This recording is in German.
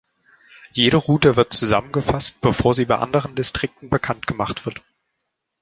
Jede Route wird zusammengefasst, bevor sie bei anderen Distrikten bekannt gemacht wird.